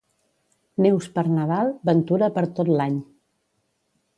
Neus per Nadal, ventura per tot l'any.